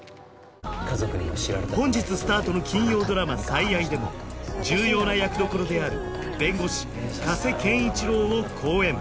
本日スタートの金曜ドラマ「最愛」でも重要な役どころである弁護士加瀬賢一郎を好演